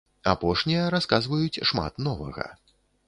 Апошнія расказваюць шмат новага.